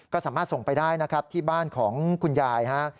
ก็สามารถส่งไปได้นะครับที่บ้านของคุณยายฮะ